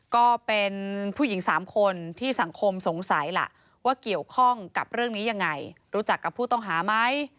ก็เป็นผู้หญิง๓คนที่สังคมสงสัยล่ะว่าเกี่ยวข้องกับเรื่องนี้ยังไง